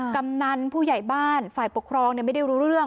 กำนันผู้ใหญ่บ้านฝ่ายปกครองไม่ได้รู้เรื่อง